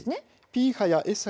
Ｐ波やＳ